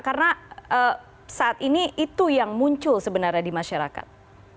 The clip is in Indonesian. karena saat ini itu yang muncul sebenarnya di masyarakat